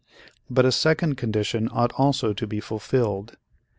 But a second condition ought also to be fulfilled.